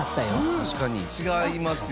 確かに違いますよ。